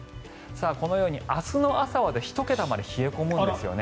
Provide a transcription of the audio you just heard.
このように明日の朝は１桁まで冷え込むんですよね。